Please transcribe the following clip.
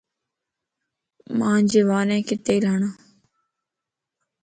مانجي وارينکَ تيل ھڻ